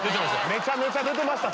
めちゃめちゃ出てました。